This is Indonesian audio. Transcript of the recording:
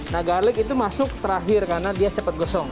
nah garlic itu masuk terakhir karena dia cepat gosong